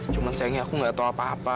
cuman sayangnya aku gak tau apa apa